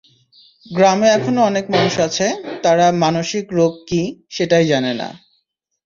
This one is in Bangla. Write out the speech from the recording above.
গ্রামে এখনো অনেক মানুষ আছে, তারা মানসিক রোগ কী, সেটাই জানে না।